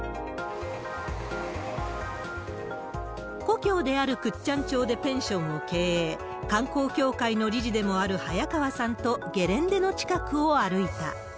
故郷である倶知安町でペンションを経営、観光協会の理事でもある早川さんとゲレンデの近くを歩いた。